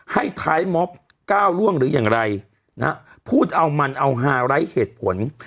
ให้ท้ายม็อบก้าวล่วงหรืออย่างไรนะฮะพูดเอามันเอาฮาไร้เหตุผล